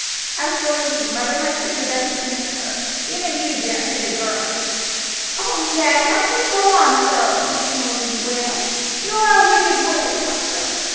As for Lucy, mother must do the best she can for her. Even you daren't hit a girl." "Oh, Ned, how can you go on so?" Mrs. Mulready wailed. "You are a wicked boy to talk so."